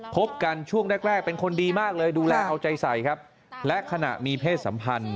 พบกันช่วงแรกแรกเป็นคนดีมากเลยดูแลเอาใจใส่ครับและขณะมีเพศสัมพันธ์